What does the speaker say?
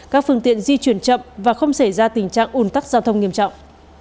các phương tiện di chuyển chậm và không xảy ra tình trạng ủn tắc giao thông nghiêm trọng